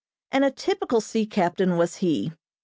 And a typical sea captain was he.